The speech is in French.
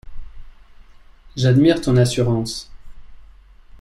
J’admire ton assurance…